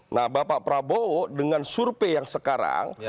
nah bapak prabowo dengan survei yang sekarang